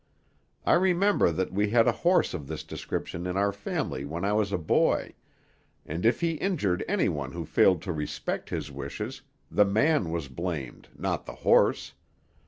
I remember that we had a horse of this description in our family when I was a boy, and if he injured any one who failed to respect his wishes, the man was blamed, not the horse.